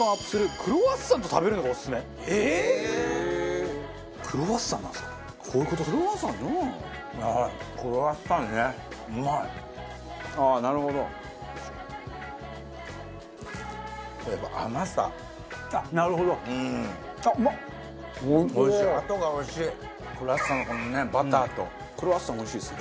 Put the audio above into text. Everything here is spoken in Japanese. クロワッサンおいしいですね。